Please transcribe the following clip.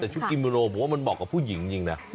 แต่ชุดกิโมโรผมว่ามันเหมาะกับผู้หญิงจริงนะ